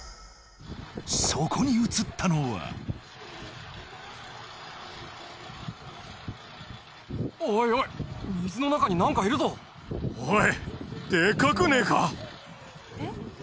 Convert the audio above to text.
そこにうつったのは・おいおい水の中に何かいるぞ・おいデカくねえか？